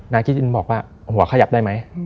คิดจินบอกว่าหัวขยับได้ไหม